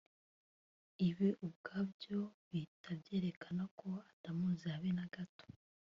Ibi ubwabyo bihita byerekana ko atamuzi habe na gato